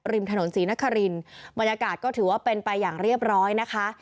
ริมถนนศรีนครินบรรยากาศก็ถือว่าเป็นไปอย่างเรียบร้อยนะคะ